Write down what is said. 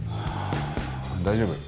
大丈夫。